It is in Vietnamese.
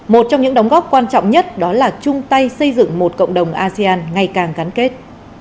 một trong những đóng góp quan trọng nhất đó là chung tay xây dựng một cộng đồng asean ngày càng gắn kết